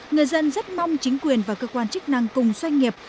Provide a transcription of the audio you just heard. người dân rất mong chính quyền và cơ quan chức năng cùng doanh nghiệp